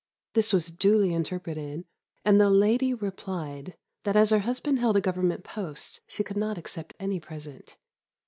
This was duly interpreted, and the lady replied that as her husband held a Government post she could not accept any present.